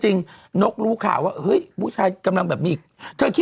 จริงนกรู้ค่าว่าเฮ้ยผู้ชายกำลังแบบมีอีกเธอคิดดู